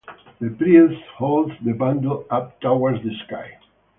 The priest holds the bundle up towards the sky.